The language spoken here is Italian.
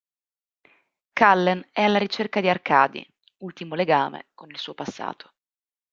Callen è alla ricerca di Arkady, ultimo legame con il suo passato.